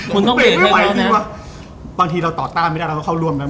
มันไม่มีรู้ไหนด่าเลยอะ